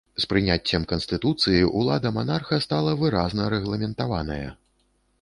З прыняццем канстытуцыі ўлада манарха стала выразна рэгламентаваная.